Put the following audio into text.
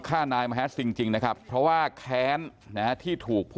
ปูดเมื่อคืนแล้วมาหาสอบ